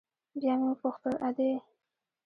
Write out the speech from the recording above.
بيا مې وپوښتل ادې.